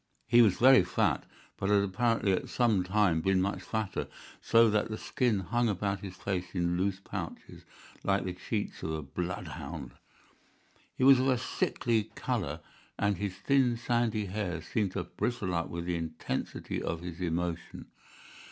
He was very fat, but had apparently at some time been much fatter, so that the skin hung about his face in loose pouches, like the cheeks of a blood hound. He was of a sickly colour, and his thin, sandy hair seemed to bristle up with the intensity of his emotion.